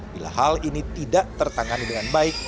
bila hal ini tidak tertangani dengan baik